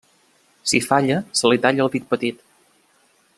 Si falla, se li talla el dit petit.